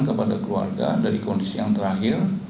kepada keluarga dari kondisi yang terakhir